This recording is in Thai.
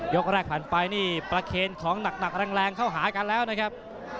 แรกผ่านไปนี่ประเคนของหนักแรงเข้าหากันแล้วนะครับ